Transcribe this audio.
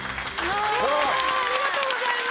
ありがとうございます。